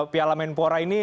piala menpora ini